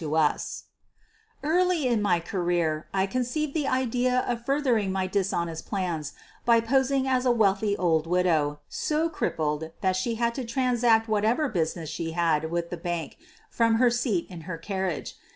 QUEEN OF THE BURGLARS 217 Early in my career I conceived the idea of fur thering my dishonest plans by posing as a wealthy old widow, bo crippled that she had to transact whatever business she had with the bank from her seat in her carriage.